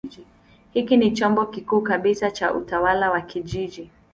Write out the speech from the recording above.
Hiki ni chombo kikuu kabisa cha utawala wa kijiji.